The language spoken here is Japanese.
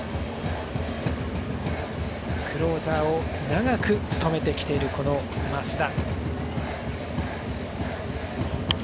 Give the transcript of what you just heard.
クローザーを長く務めてきている、増田。